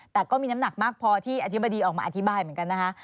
แต่ก็มีน้ำหนักมากพอที่อธิบดีออกมาอธิบายเหมือนกันนะคะ